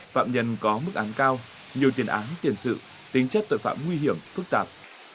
phạm nhân có mức án cao nhiều tiền án tiền sự tính chất tội phạm nguy hiểm phức tạp